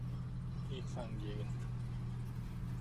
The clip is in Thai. อีกฝั่งยืน